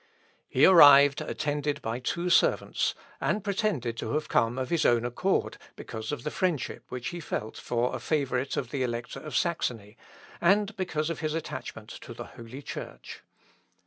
He arrived attended by two servants, and pretended to have come of his own accord, because of the friendship which he felt for a favourite of the Elector of Saxony, and because of his attachment to the Holy Church.